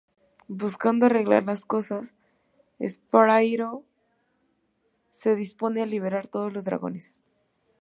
Buscando arreglar las cosas, Spyro se dispone a liberar a todos los dragones.